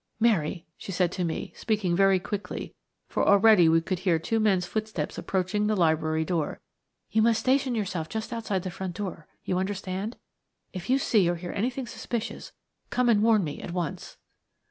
"Mary," she said to me, speaking very quickly, for already we could hear two men's footsteps approaching the library door, "you must station yourself just outside the front door; you understand? If you see or hear anything suspicious come and warn me at once."